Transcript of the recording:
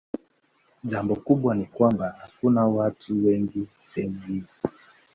Jambo kubwa ni kwamba hakuna watu wengi sehemu hiyo.